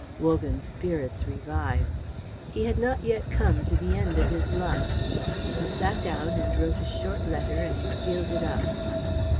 Wogan's spirits revived. He had not yet come to the end of his luck. He sat down and wrote a short letter and sealed it up.